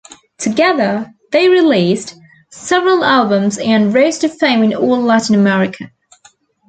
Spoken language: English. Together, they released several albums and rose to fame in all Latin America.